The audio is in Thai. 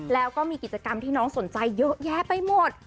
แล้วก็มีกิจกรรมที่น้องสนใจเยอะแยะไปหมด